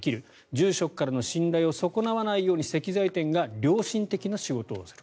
住職の信頼を損なわないように石材店が良心的な仕事をする。